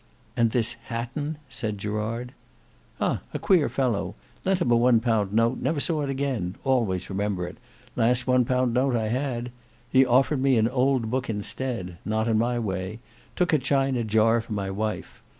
"And this Hatton—" said Gerard. "Ah! a queer fellow; lent him a one pound note—never saw it again—always remember it—last one pound note I had. He offered me an old book instead; not in my way; took a china jar for my wife.